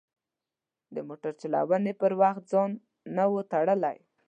د موټر چلونې پر وخت ځان نه و تړلی.